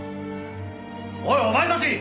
おいお前たち！